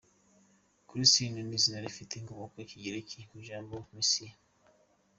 Christine ni izina rifite inkomoko mu Kigereki ku ijambo “ Messiah” .